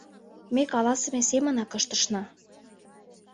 Ме каласыме семынак ыштышна.